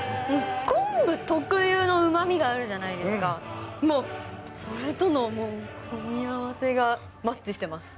昆布特有のうまみがあるじゃないですか、もうそれとの組み合わせがマッチしてます。